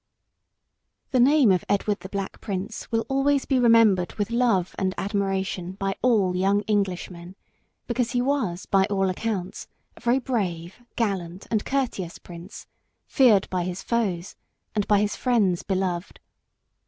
] THE name of Edward the Black Prince will always be remembered with love and admiration by all young Englishmen, because he was by all accounts a very brave, gallant, and courteous prince, feared by his foes and by his friends beloved.